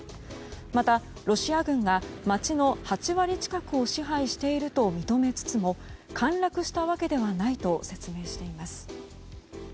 また、ロシア軍が街の８割近くを支配していると認めつつも陥落したわけではないと説明しています。